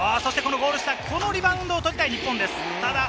ゴール下、このリバウンドを取りたい日本です。